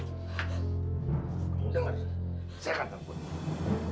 kamu dengar saya akan telepon